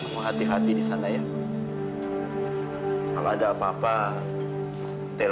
ketika kita putar putar